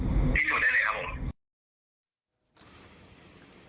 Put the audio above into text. พิสูจน์ได้เลยครับผม